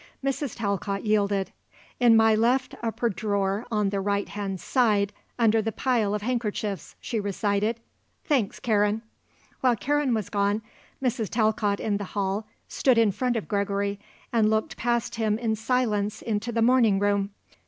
Mrs. Talcott yielded. "In my left top drawer on the right hand side under the pile of handkerchiefs," she recited. "Thanks, Karen." While Karen was gone, Mrs. Talcott in the hall stood in front of Gregory and looked past him in silence into the morning room.